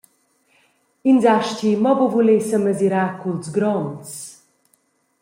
Ins astgi mo buca vuler semesirar culs gronds.